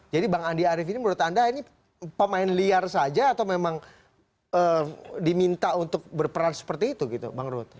jadi bang andi arief ini menurut anda ini pemain liar saja atau memang diminta untuk berperan seperti itu gitu bang ruhut